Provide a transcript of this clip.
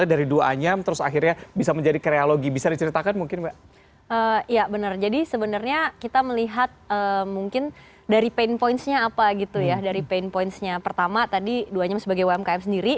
dari pain pointsnya pertama tadi dua anyam sebagai umkm sendiri